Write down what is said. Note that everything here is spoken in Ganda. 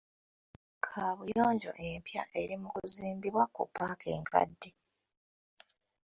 Kaabuyonjo empya eri mu kuzimbibwa ku paaka enkadde.